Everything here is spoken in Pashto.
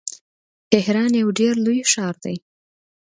تهران یو ډیر لوی ښار دی.